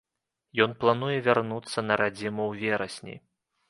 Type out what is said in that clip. Ён плануе вярнуцца на радзіму ў верасні.